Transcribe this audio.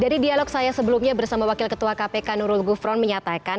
dari dialog saya sebelumnya bersama wakil ketua kpk nurul gufron menyatakan